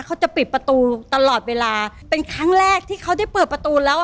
เขาจะปิดประตูตลอดเวลาเป็นครั้งแรกที่เขาได้เปิดประตูแล้ว